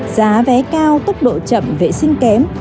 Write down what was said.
giá vé cao tốc độ chậm vệ sinh kém